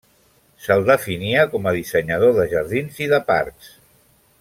Se'l definia com a dissenyador de jardins i de parcs.